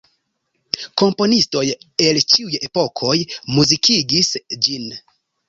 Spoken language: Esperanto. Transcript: Komponistoj el ĉiuj epokoj muzikigis ĝin.